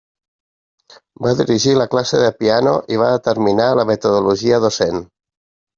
Va dirigir la classe de piano i va determinar la metodologia docent.